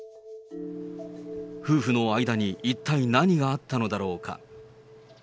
夫婦の間に一体何があったのだろうか。